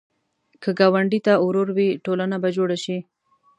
که ګاونډي ته ورور وې، ټولنه به جوړه شي